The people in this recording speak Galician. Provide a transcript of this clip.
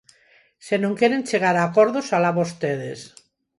Se non queren chegar a acordos, alá vostedes.